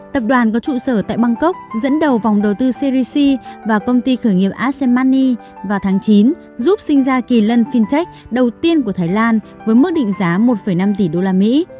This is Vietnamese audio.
tập đoàn có trụ sở tại bangkok dẫn đầu vòng đầu tư series và công ty khởi nghiệp asemani vào tháng chín giúp sinh ra kỳ lân fintech đầu tiên của thái lan với mức định giá một năm tỷ đô la mỹ